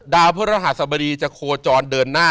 พระรหัสบดีจะโคจรเดินหน้า